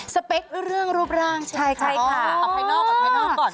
สเปคเรื่องรูปร่างใช่ไหมคะโอ้โฮอ๋อเอาไพนอลก่อน